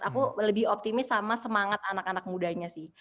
aku lebih optimis sama semangat anak anak mudanya sih